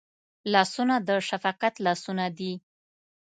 لاسونه د شفقت لاسونه دي